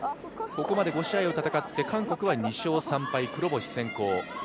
ここまで５試合を戦って韓国は２勝３敗、黒星先行。